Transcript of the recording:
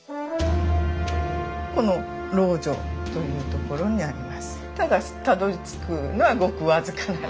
この「老女」というところになります。